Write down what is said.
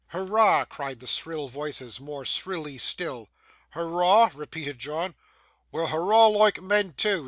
'Hurrah!' cried the shrill voices, more shrilly still. 'Hurrah?' repeated John. 'Weel, hurrah loike men too.